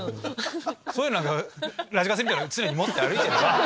そういうのラジカセみたいの常に持って歩いて。